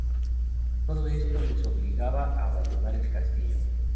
Todo esto les obliga a abandonar el castillo.